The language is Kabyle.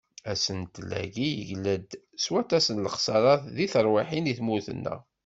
Asentel-agi, yegla-d s waṭas n lexsarat deg terwiḥin di tmurt-nneɣ.